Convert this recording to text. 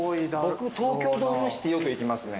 僕東京ドームシティよく行きますね。